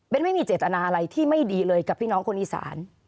ไม่มีเจตนาอะไรที่ไม่ดีเลยกับพี่น้องคนอีสาน